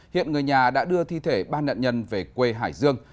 hiện người nhà đã đưa thi thể ba nạn nhân về quê hải dương